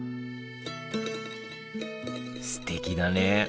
すてきだね。